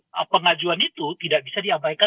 nah pengajuan itu tidak bisa diabaikan